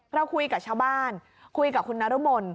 เราคุยกับชาวบ้านคุยกับคุณนรมน